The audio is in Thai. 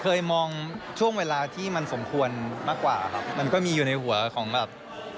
เคยมองช่วงเวลาที่มันสมควรมากกว่าครับมันก็มีอยู่ในหัวของแบบ